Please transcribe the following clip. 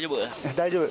大丈夫。